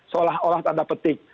seolah olah tanda petik